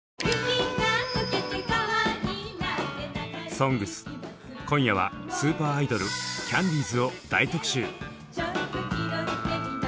「ＳＯＮＧＳ」今夜はスーパーアイドルキャンディーズを大特集！